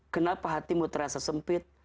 kenapa hatimu terasa sempit